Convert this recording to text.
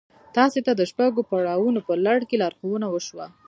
تاسې ته د شپږو پړاوونو په لړ کې لارښوونه وشوه.